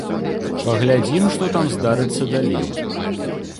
Паглядзім, што там здарыцца далей.